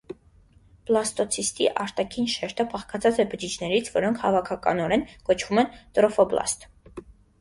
Բլաստոցիստի արտաքին շերտը բաղկացած է բջիջներից, որոնք հավաքականորեն կոչվում են տրոֆոբլաստ։